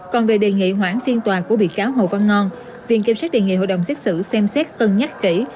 còn về đề nghị hoãn phiên tòa của bị cáo hồ văn ngon viện kiểm sát đề nghị hội đồng xét xử xem xét cân nhắc kỹ